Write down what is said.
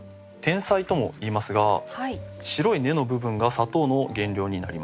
甜菜とも言いますが白い根の部分が砂糖の原料になります。